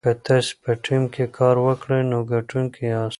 که تاسي په ټیم کې کار وکړئ نو ګټونکي یاست.